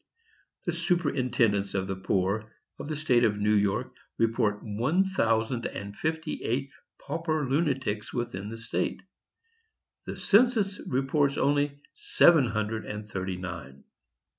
"The superintendents of the poor of the State of New York report one thousand and fifty eight pauper lunatics within that state; the census reports only seven hundred and thirty nine.